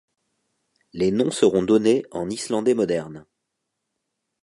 Les noms seront donnés en Islandais moderne.